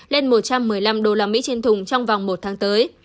lên một trăm một mươi năm usd trên thùng trong vòng một tháng tới